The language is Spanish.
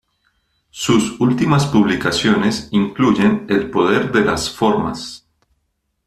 Sus últimas publicaciones incluyen "El poder de las formas.